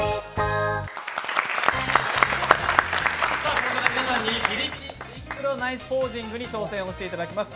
ここからは皆さんに「ビリビリシンクロナイスポージング」に挑戦していただきます。